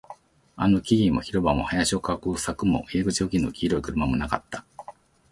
あの木々も、広場も、林を囲う柵も、入り口付近の黄色い車もなかった